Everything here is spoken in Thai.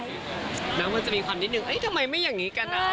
แล้วมันจะมีความนิดนึงทำไมไม่อย่างนี้กัน